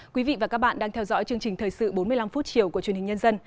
quý vị và các bạn đang theo dõi chương trình thời sự bốn mươi năm phút chiều của truyền hình nhân dân